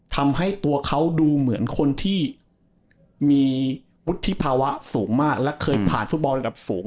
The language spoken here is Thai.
ทำให้ตัวเขาดูเหมือนคนที่มีวุฒิภาวะสูงมากและเคยผ่านฟุตบอลระดับสูง